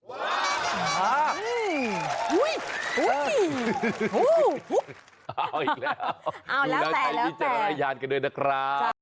เอาอีกแล้วดูแล้วใช้วิจารณญาณกันด้วยนะครับ